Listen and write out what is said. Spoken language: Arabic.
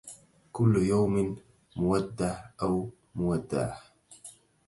كل يوم مودع أو مودع